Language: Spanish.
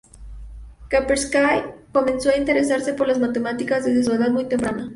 Kaspersky comenzó a interesarse por las matemáticas desde una edad muy temprana.